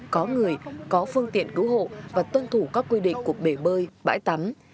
có người có phương tiện cứu hộ và tuân thủ các quy định của bể bơi bãi tắm